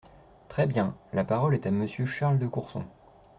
Très bien ! La parole est à Monsieur Charles de Courson.